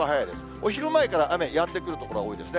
お昼前から雨、やんでくる所が多いですね。